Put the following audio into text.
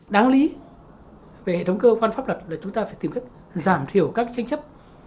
đáng lý về hệ thống cơ quan pháp luật là chúng ta phải tìm cách giảm thiểu các tranh chấp